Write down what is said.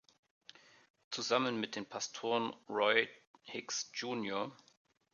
Zusammen mit den Pastoren Roy Hicks Jr.